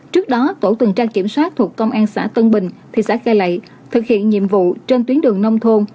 trước đó tổ tuần tra kiểm soát thuộc công an xã tân bình thị xã cai lậy thực hiện nhiệm vụ trên tuyến đường nông thôn